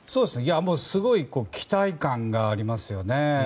すごい期待感がありますよね。